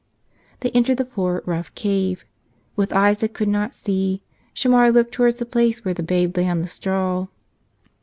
They entered the poor, rough cave. With eyes that could not see, Shamar looked towards the place where the Babe lay on the straw.